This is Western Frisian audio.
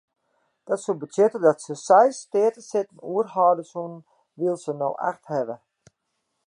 Dat soe betsjutte dat se seis steatesitten oerhâlde soenen wylst se no acht hawwe.